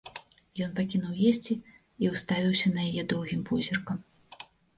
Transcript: Ён пакінуў есці і ўставіўся на яе доўгім позіркам.